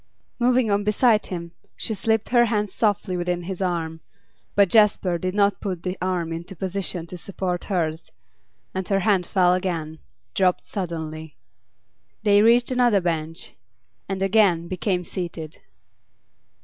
Moving on beside him, she slipped her hand softly within his arm; but Jasper did not put the arm into position to support hers, and her hand fell again, dropped suddenly. They reached another bench, and again became seated.